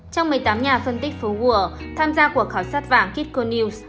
trong một mươi tám nhà phân tích phố gùa tham gia cuộc khảo sát vàng kitco news